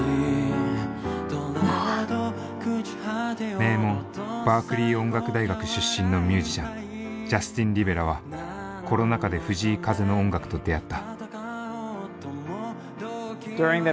名門バークリー音楽大学出身のミュージシャンジャスティン・リベラはコロナ禍で藤井風の音楽と出会った。